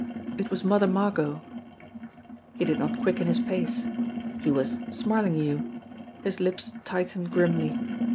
It was Mother Margot ! He did not quicken his pace. He was Smarlinghue ! His lips tightened grimly.